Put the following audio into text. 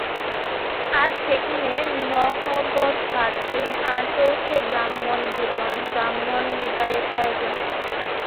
আজ সেখানে নহবত বাজছে, আর চলছে ব্রাহ্মণভোজন, ব্রাহ্মণবিদায়ের আয়োজন।